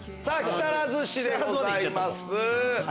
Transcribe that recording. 木更津市でございます。